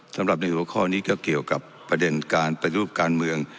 สำหรับในหัวข้อนี้ก็เกี่ยวกับประเด็นการปฏิรูปการเมือง